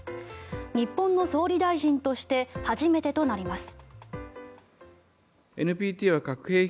日本の総理大臣として初めてとなります。